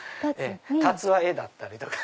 辰は絵だったりとか。